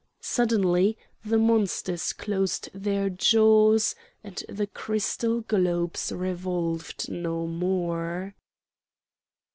Suddenly the monsters closed their jaws and the crystal globes revolved no more.